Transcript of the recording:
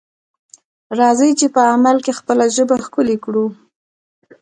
راځئ چې په عمل کې خپله ژبه ښکلې کړو.